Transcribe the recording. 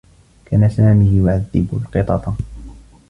كان سامي يعذّب القطط.